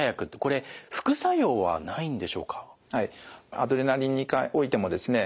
アドレナリンにおいてもですね